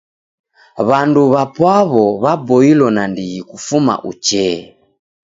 W'andu w'apwaw'o w'aboilo nandighi kufuma uchee.